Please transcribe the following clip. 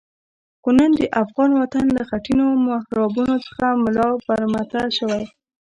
خو نن د افغان وطن له خټینو محرابونو څخه ملا برمته شوی.